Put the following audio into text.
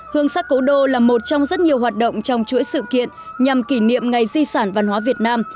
hương sắc cố đô là một trong rất nhiều hoạt động trong chuỗi sự kiện nhằm kỷ niệm ngày di sản văn hóa việt nam